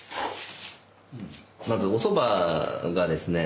まずおそばがですね